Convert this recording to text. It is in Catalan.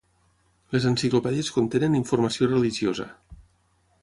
Les enciclopèdies contenen informació religiosa.